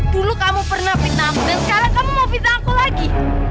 dulu kamu pernah pinta aku dan sekarang kamu mau pinta aku lagi